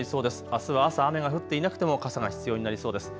あすは朝、雨が降っていなくても傘が必要になりそうです。